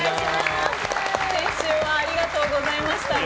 先週はありがとうございました。